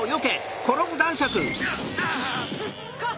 あっ！